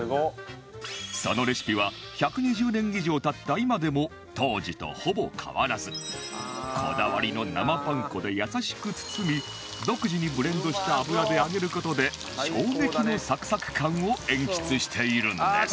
そのレシピは１２０年以上経った今でも当時とほぼ変わらずこだわりの生パン粉で優しく包み独自にブレンドした油で揚げる事で衝撃のサクサク感を演出しているんです